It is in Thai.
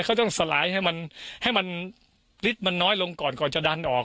เขาต้องสลายให้มันให้มันฤทธิ์มันน้อยลงก่อนก่อนจะดันออก